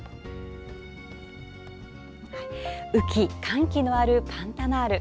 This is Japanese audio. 雨季、乾季のあるパンタナール。